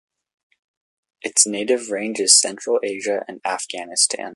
Its native range is Central Asia and Afghanistan.